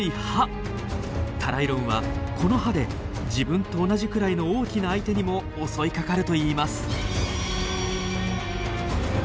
タライロンはこの歯で自分と同じくらいの大きな相手にも襲いかかるといいます。